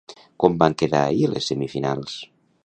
Com van quedar ahir les semifinals?